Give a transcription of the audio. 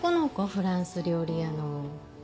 フランス料理屋の。